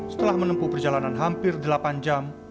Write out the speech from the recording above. setelah menempuh perjalanan hampir delapan jam